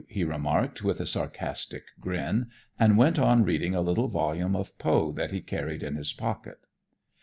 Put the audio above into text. he remarked with a sarcastic grin, and went on reading a little volume of Poe that he carried in his pocket.